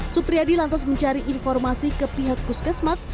supriyadi lantas mencari informasi ke pihak puskesmas